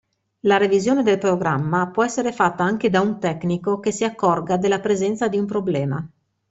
La revisione del programma può essere fatta anche da un tecnico che si accorga della presenza di un problema.